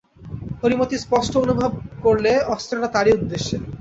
হরিমতি স্পষ্ট অনুভব করলে, অস্ত্রটা তারই উদ্দেশে।